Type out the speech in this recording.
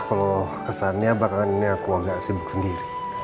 kalau kesannya belakangan ini aku agak sibuk sendiri